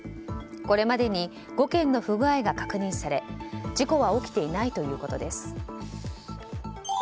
これまでに５件の不具合が確認され事故は起きていないということです。